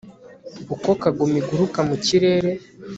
uko kagoma iguruka mu kirere